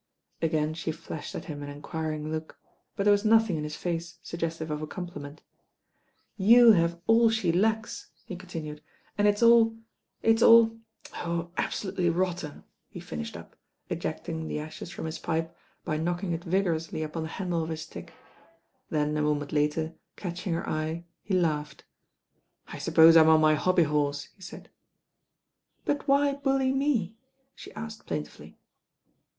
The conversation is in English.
Again she flashed at him an enquiring look; but there was nothing in his face suggestive of a com pliment. "You have all she lacks,*' he continued, "and it's all — it's all — oh, absolutely rotten," he finished up, ejecting the ashes from his pipe by knocking it vigor ously upon the handle of his stick. Then a moment later catching her eye he laughed. "I suppose I'm on my hobby horse," he said. "But why bully me?" she asked plaintively.